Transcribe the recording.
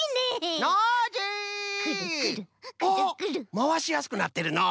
おっまわしやすくなってるのう。